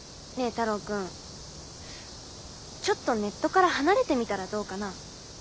太郎君ちょっとネットから離れてみたらどうかな。